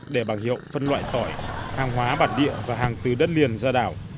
để bằng hiệu phân loại tỏi hàng hóa bản địa và hàng từ đất liền ra đảo